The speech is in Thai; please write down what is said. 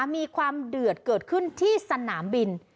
มีความเดือดเกิดขึ้นที่สนามบิน